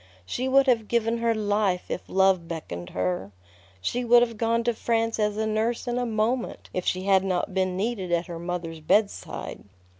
She would have given her life if love beckoned her. She would have gone to France as a nurse in a moment if she had not been needed at her mother's bedside.